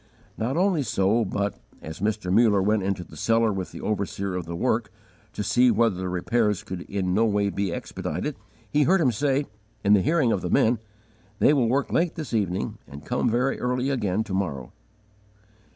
_ Not only so, but, as Mr. Muller went into the cellar with the overseer of the work, to see whether the repairs could in no way be expedited, he heard him say, in the hearing of the men, "they will work late this evening, and come very early again to morrow."